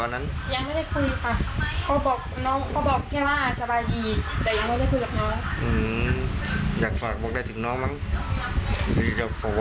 เพราะลูกโผล่ปันกับหนูมากหนูเลี้ยงเขาตั้งแต่เล็กหนึ่งค่ะ